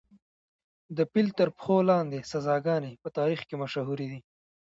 د پیل تر پښو لاندې سزاګانې په تاریخ کې مشهورې دي.